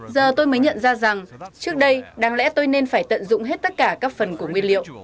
giờ tôi mới nhận ra rằng trước đây đáng lẽ tôi nên phải tận dụng hết tất cả các phần của nguyên liệu